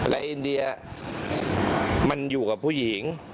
และอินเดียมันอยู่กับผู้หญิง